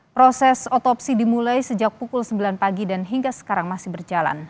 proses otopsi dimulai sejak pukul sembilan pagi dan hingga sekarang masih berjalan